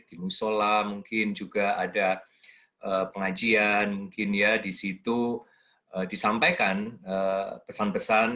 di musola mungkin juga ada pengajian mungkin ya di situ disampaikan pesan pesan